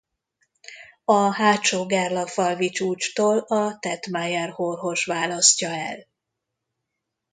A Hátsó-Gerlachfalvi-csúcstól a Tetmajer-horhos választja el.